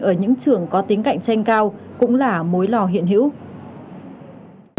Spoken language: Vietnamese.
ở những trường có tính cạnh tranh cao cũng là mối lo hiện hữu